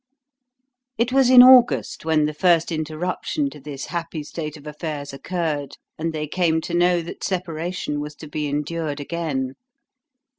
It was in August when the first interruption to this happy state of affairs occurred and they came to know that separation was to be endured again.